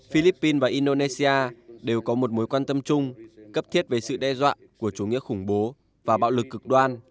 philippines và indonesia đều có một mối quan tâm chung cấp thiết về sự đe dọa của chủ nghĩa khủng bố và bạo lực cực đoan